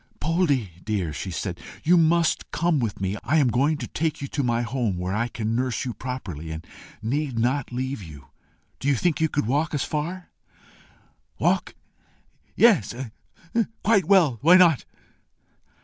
"Poldie, dear!" she said, "you must come with me. I am going to take you to my own room, where I can nurse you properly, and need not leave you. Do you think you could walk as far?" "Walk! Yes quite well: why not?"